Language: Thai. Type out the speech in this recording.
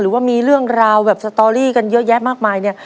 หรือว่ามีเรื่องราวแบบสตอรี่กันเยอะแยะมากมาย